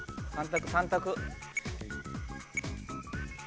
３択３択。